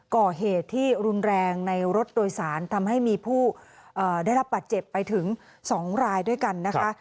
ก่อเหตุที่รุนแรงในรถโดยสารทำให้มีผู้ได้รับบาดเจ็บไปถึง๒รายด้วยกันนะคะ